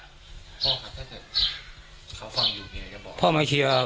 พ่อค่ะถ้าเธอเขาฟังอยู่เนี่ยจะบอก